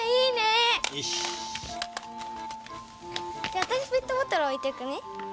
じゃあわたしペットボトル置いてくね。